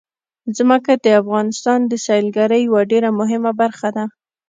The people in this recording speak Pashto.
ځمکه د افغانستان د سیلګرۍ یوه ډېره مهمه برخه ده.